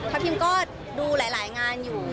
ฮับทีมก็ดูหลายงานอยู่